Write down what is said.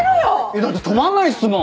だって止まんないっすもん！